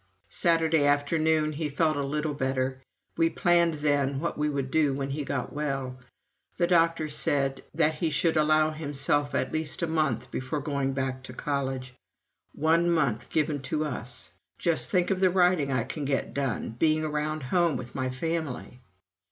Saturday afternoon he felt a little better; we planned then what we would do when he got well. The doctor had said that he should allow himself at least a month before going back to college. One month given to us! "Just think of the writing I can get done, being around home with my family!"